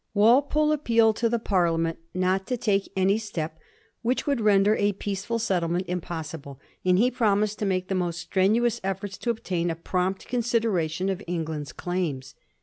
Walpole appealed to the Parliament not to take any step which would render a peaceful settlement impossi ble, and he promised to make the most strenuous efforts to obtain a prompt consideration of England's claims.